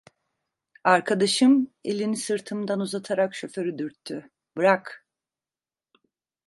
Arkadaşım elini sırtımdan uzatarak şoförü dürttü: "Bırak…"